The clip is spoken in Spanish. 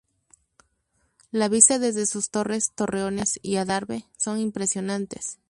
La vista desde sus torres, torreones y adarve son impresionantes.